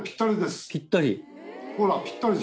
ぴったり。